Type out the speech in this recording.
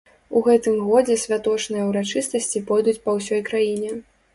У гэтым годзе святочныя ўрачыстасці пойдуць па ўсёй краіне.